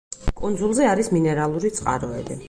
კუნძულზე არის მინერალური წყაროები.